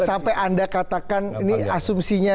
sampai anda katakan ini asumsinya